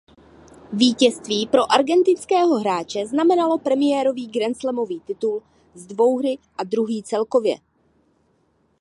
Vítězství pro argentinského hráče znamenalo premiérový grandslamový titul z dvouhry a druhý celkově.